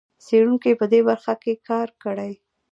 څېړونکو په دې برخه کې کار کړی.